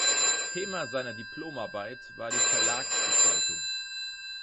Thema seiner Diplomarbeit war die Verlags-Gestaltung.